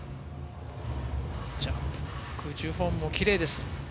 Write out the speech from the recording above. ジャンプ、空中フォームもきれいです。